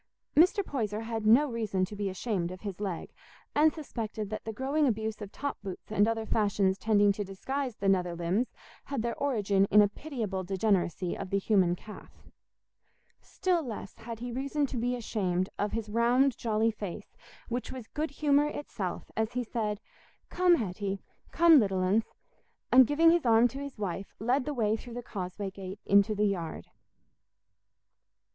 Mr. Poyser had no reason to be ashamed of his leg, and suspected that the growing abuse of top boots and other fashions tending to disguise the nether limbs had their origin in a pitiable degeneracy of the human calf. Still less had he reason to be ashamed of his round jolly face, which was good humour itself as he said, "Come, Hetty—come, little uns!" and giving his arm to his wife, led the way through the causeway gate into the yard.